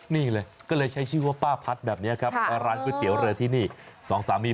นี่เลยก็เลยใช้ชื่อว่าป้าพัดแบบนี้ครับร้านก๋วยเตี๋ยวเรือที่นี่สองสามี